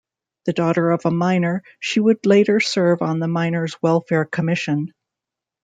The daughter of a miner, she would later serve on the Miners' Welfare Commission.